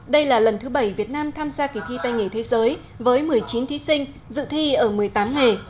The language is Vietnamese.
đây là lần thứ bảy việt nam tham gia kỳ thi tay nghề thế giới với một mươi chín thí sinh dự thi ở một mươi tám nghề